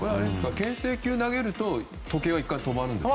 牽制球を投げると時計は止まるんですか？